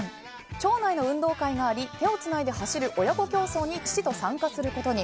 町内の運動会があり手をつないで走る親子競争に父と参加することに。